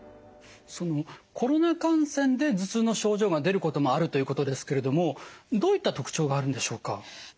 コロナ感染で頭痛の症状が出ることもあるということですけれどもどういった特徴があるんでしょうか？